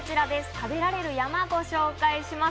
食べられる山を紹介します。